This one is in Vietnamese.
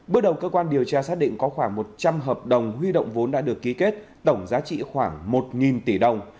bước đầu cơ quan điều tra xác định có khoảng một trăm linh hợp đồng huy động vốn đã được ký kết tổng giá trị khoảng một tỷ đồng